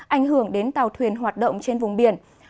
ảnh hưởng đến tàu thuyền hoạt động trên vùng biển